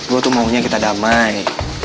gue tuh maunya kita damai